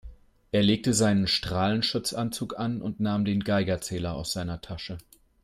Er legte seinen Strahlenschutzanzug an und nahm den Geigerzähler aus seiner Tasche.